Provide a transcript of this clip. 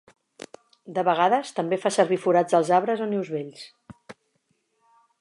De vegades també fa servir forats als arbres o nius vells.